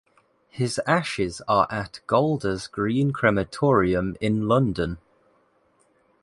His ashes are at Golders Green Crematorium in London.